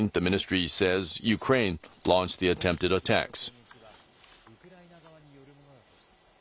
一連の攻撃は、ウクライナ側によるものだとしています。